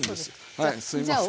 はいすいません。